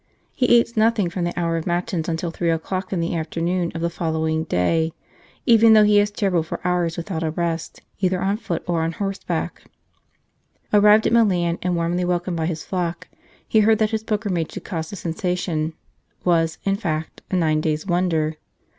He eats nothing from the hour of Matins until three o clock in the afternoon of the follow ing day, even though he has travelled for hours without a rest, either on foot or on horseback." Arrived at Milan and warmly welcomed by his flock, he heard that his pilgrimage had caused a sensation was, in fact, a nine days wonder.